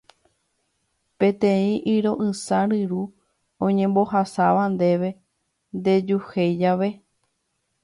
Peteĩ yro'ysã ryru oñembohasáva ndéve nde'yuhéi jave